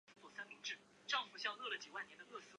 本作是勇者斗恶龙系列游戏首次在欧洲发行。